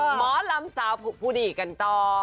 หมอลำสาวพุดิกันต่อ